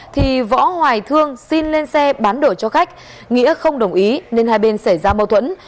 thì võ hoài thương xin lên xe bán đổi cho khách nghĩa không đồng ý nên hai bên xảy ra mâu thuẫn